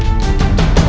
tidak ada yang bisa dihukum